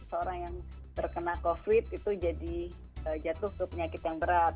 seorang yang terkena covid itu jadi jatuh ke penyakit yang berat